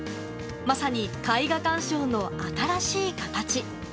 まさに絵画鑑賞の新しい形。